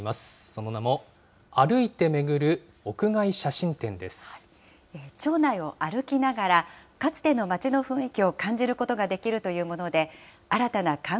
その名も、町内を歩きながら、かつての町の雰囲気を感じることができるというもので、新たな観